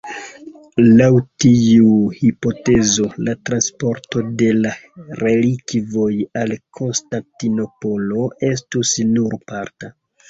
Laŭ tiu hipotezo, la transporto de la relikvoj al Konstantinopolo estus nur parta.